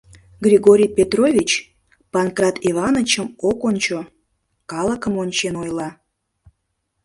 Григорий Петрович Панкрат Иванычым ок ончо, калыкым ончен ойла: